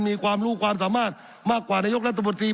มีความรู้ความสามารถมากกว่านายกรัฐมนตรี